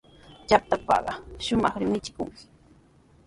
Yapaytrawqa shumaqri michikunki.